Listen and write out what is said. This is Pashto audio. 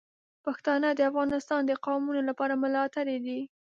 پښتانه د افغانستان د قومونو لپاره ملاتړي دي.